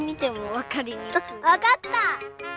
わかった！